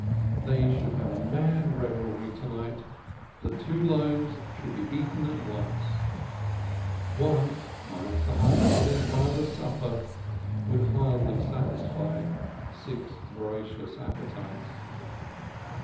They should have a mad revelry to night the two loaves should be eaten at once. One (minus a hunk for father's supper) would hardly satisfy six voracious appetites.